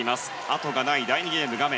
後がない第２ゲーム画面